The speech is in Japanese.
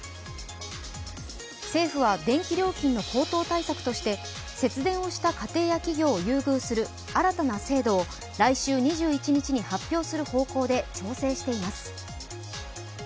政府は電気料金の高騰対策として節電をした家庭や企業を優遇する新たな制度を来週２１日に発表する方向で調整しています。